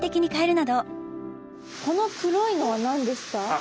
この黒いのは何ですか？